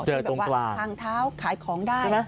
เจอตรงกลาง